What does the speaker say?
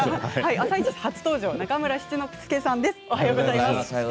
「あさイチ」初登場の中村七之助さんです。